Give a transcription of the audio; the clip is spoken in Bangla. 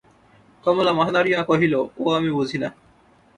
কমলা মাথা নাড়িয়া কহিল, ও আমি বুঝি না।